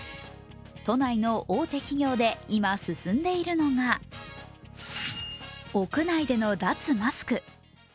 都内の大手企業で今、進んでいるのが屋内での脱マスク。